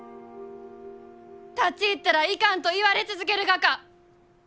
「立ち入ったらいかん」と言われ続けるがか？